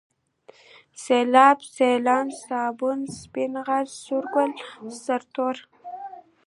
سيلاب ، سيلان ، سباوون ، سپين غر ، سورگل ، سرتور